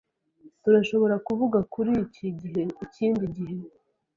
Turashobora kuvuga kuri iki gihe ikindi gihe.